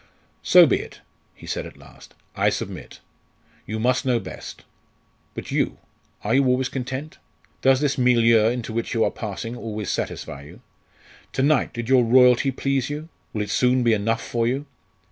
"So be it," he said at last. "I submit. You must know best. But you? are you always content? Does this milieu into which you are passing always satisfy you? To night, did your royalty please you? will it soon be enough for you?"